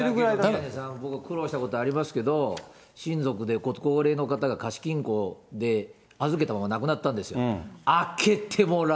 宮根さん、僕、苦労したことありますけど、親族で高齢の方が貸金庫で預けたまま亡くなったんです。